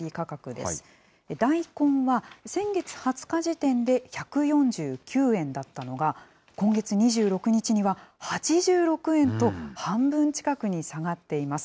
大根は先月２０日時点で１４９円だったのが、今月２６日には８６円と、半分近くに下がっています。